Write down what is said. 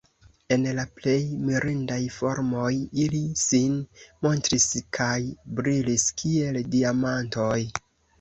En la plej mirindaj formoj ili sin montris kaj brilis kiel diamantoj.